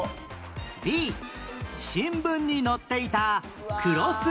Ｂ 新聞に載っていたクロスワード